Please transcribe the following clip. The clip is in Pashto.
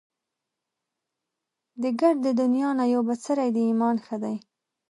دې ګردې دنيا نه يو بڅری د ايمان ښه دی